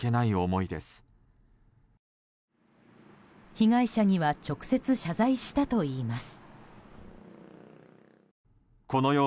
被害者には直接、謝罪したといいます。